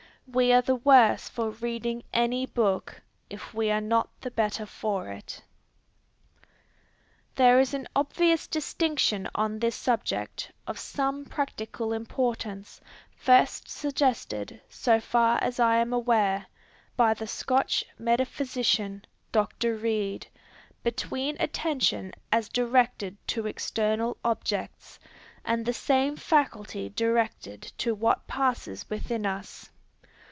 We are the worse for reading any book, if we are not the better for it. There is an obvious distinction on this subject, of some practical importance, first suggested, so far as I am aware, by the Scotch metaphysician, Dr. Reid, between attention as directed to external objects, and the same faculty directed to what passes within us.